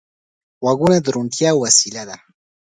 غوږونه د روڼتیا وسیله ده